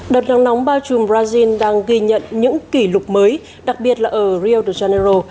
đợt nắng nóng bao trùm brazil đang ghi nhận những kỷ lục mới đặc biệt là ở rio de janeiro